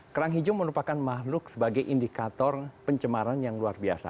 kerang hijau merupakan makhluk sebagai indikator pencemaran yang luar biasa